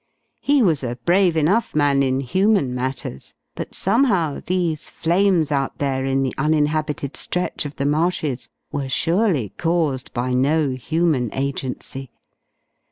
He was a brave enough man in human matters, but somehow these flames out there in the uninhabited stretch of the marshes were surely caused by no human agency.